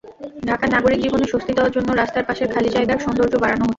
ঢাকার নাগরিক জীবনে স্বস্তি দেওয়ার জন্য রাস্তার পাশের খালি জায়গার সৌন্দর্য বাড়ানো হচ্ছে।